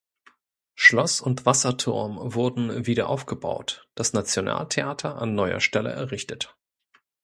Schloss und Wasserturm wurden wiederaufgebaut, das Nationaltheater an neuer Stelle errichtet.